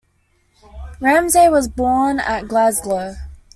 Ramsay was born at Glasgow.